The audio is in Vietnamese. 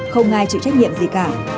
không ai chịu trách nhiệm gì cả